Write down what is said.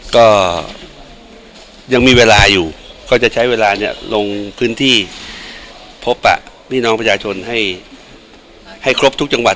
ก็ยังมีเวลาอยู่ก็จะใช้เวลาเนี่ยลงพื้นที่พบพี่น้องประชาชนให้ครบทุกจังหวัด